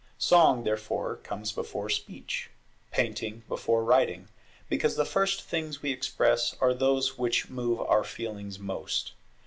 Song, therefore, comes before Speech; Painting before Writing; because the first things we express are those which move our feelings most.